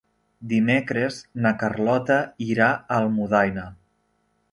Dimecres na Carlota irà a Almudaina.